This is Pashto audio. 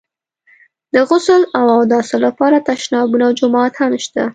د غسل او اوداسه لپاره تشنابونه او جومات هم شته.